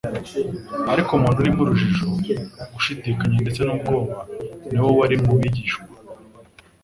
Ariko umutima urimo urujijo, gushidikanya ndetse n'ubwoba ni wo wari mu bigishwa.